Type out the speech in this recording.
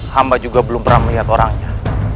hamba juga belum pernah melihat orangnya